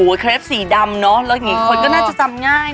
โอ้เครปสีดำมันก็น่าจะจำง่าย